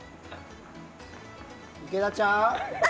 池田ちゃん？